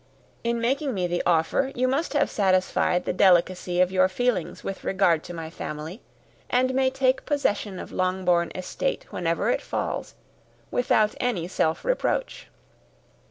In making me the offer, you must have satisfied the delicacy of your feelings with regard to my family, and may take possession of Longbourn estate whenever it falls, without any self reproach.